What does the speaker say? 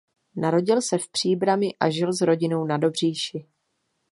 Narodil se v Příbrami a žil s rodinou na Dobříši.